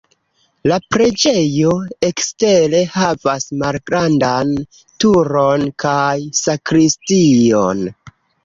La preĝejo ekstere havas malgrandan turon kaj sakristion.